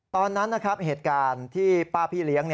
ตอนนั้นนะครับเหตุการณ์ที่ป้าพี่เลี้ยง